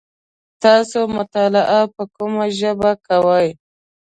تاسو مطالعه په کومه ژبه کوی ؟